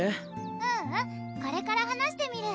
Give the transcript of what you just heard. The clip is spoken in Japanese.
ううんこれから話してみる